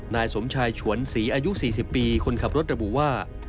นายสมชายฉวนศรีอายุ๔๐ปีคนขับรถระบุว่า